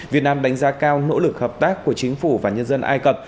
việt nam đánh giá cao nỗ lực hợp tác của chính phủ và nhân dân ai cập